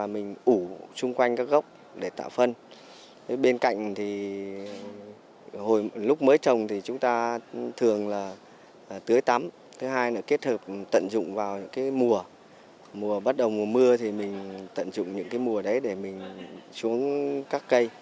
mùa bắt đầu mùa mưa thì mình tận dụng những cái mùa đấy để mình xuống các cây